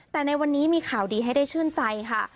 แต่ในวันนี้มีข่าวดีให้ได้ชื่นใจค่ะ